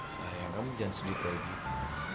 sayang kamu jangan sedih kayak gitu